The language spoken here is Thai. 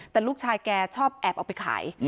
แต่ลูกชายแกชอบแอบเอาไปขาย